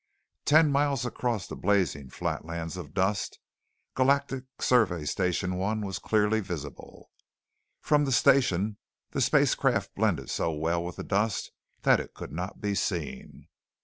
Ten miles across the blazing flatlands of dust, Galactic Survey Station I was clearly visible. From the station the spacecraft blended so well with the dust that it could not be seen.